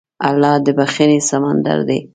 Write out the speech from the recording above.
الله د بښنې سمندر دی.